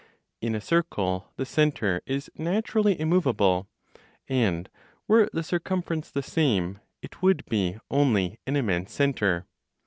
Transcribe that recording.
In a circle, the centre is naturally immovable; and were the circumference the same, it would be only an immense centre.